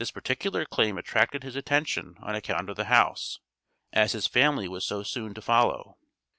This particular claim attracted his attention on account of the house, as his family was so soon to follow.